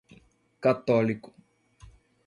católico